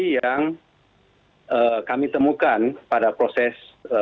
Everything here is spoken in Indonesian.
yang kami temukan pada proses